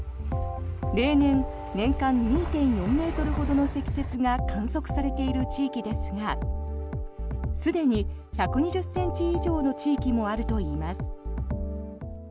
例年、年間２．４ｍほどの積雪が観測されている地域ですがすでに１２０ｃｍ以上の地域もあるといいます。